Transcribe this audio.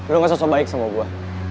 lo gak sesuai baik sama gue